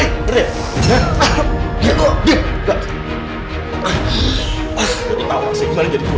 iya gue bisa lepas dari gue